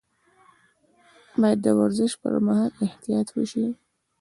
باید د ورزش پر مهال احتیاط وشي.